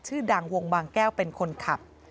ชื่อดังวงบางแก้วเป็นคนขับ